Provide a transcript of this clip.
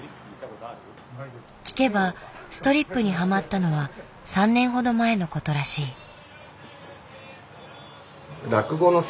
聞けばストリップにハマったのは３年ほど前のことらしい。